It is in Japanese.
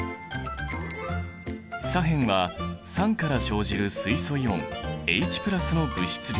左辺は酸から生じる水素イオンＨの物質量。